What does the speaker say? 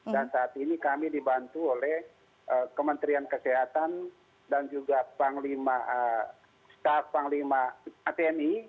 dan saat ini kami dibantu oleh kementerian kesehatan dan juga staff panglima tni